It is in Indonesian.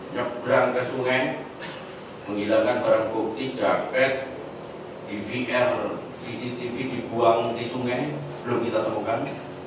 nyebrang ke sungai menghilangkan barang bukti jaket dvr cctv dibuang di sungai belum kita temukan